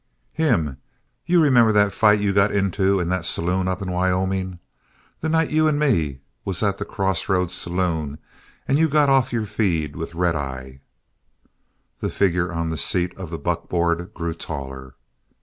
"Him! You remember that fight you got into in that saloon up in Wyoming? That night you and me was at the cross roads saloon and you got off your feed with red eye?" The figure on the seat of the buckboard grew taller.